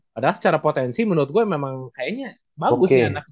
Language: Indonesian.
padahal secara potensi menurut gue memang kayaknya bagus nih anak